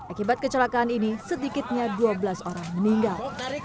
akibat kecelakaan ini sedikitnya dua belas orang meninggal